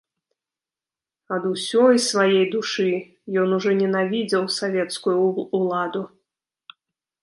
Ад усёй свае душы ён ужо ненавідзеў савецкую ўладу.